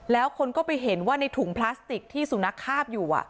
แล้วคนก็ไปเห็นว่าในถุงพลาสติกที่สุนัขคาบอยู่